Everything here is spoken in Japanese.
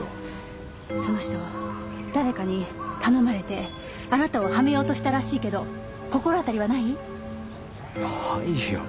その人誰かに頼まれてあなたをハメようとしたらしいけど心当たりはない？ないよ。